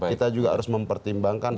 kita juga harus mempertimbangkan